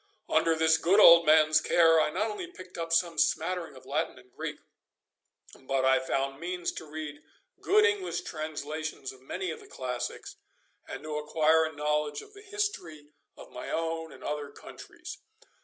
Under this good old man's care I not only picked up some smattering of Latin and Greek, but I found means to read good English translations of many of the classics, and to acquire a knowledge of the history of my own and other countries.